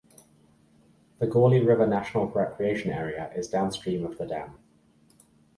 The Gauley River National Recreation Area is downstream of the dam.